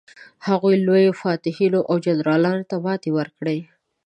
هغوی لویو فاتحینو او جنرالانو ته ماتې ورکړې.